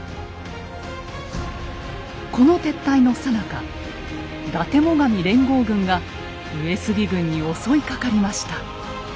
この撤退のさなか伊達・最上連合軍が上杉軍に襲いかかりました。